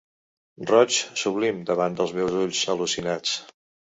Roig sublim davant dels meus ulls al·lucinats.